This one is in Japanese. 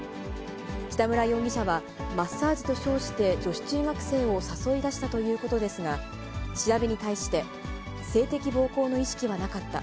北村容疑者は、マッサージと称して女子中学生を誘い出したということですが、調べに対して、性的暴行の意識はなかった。